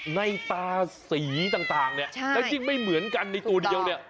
ในตาสีต่างและจริงไม่เหมือนกันในตัวเดียว